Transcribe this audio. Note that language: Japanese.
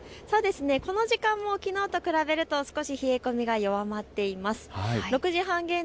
そうですね、この時間もきのうと比べると少し冷え込みは弱まっています。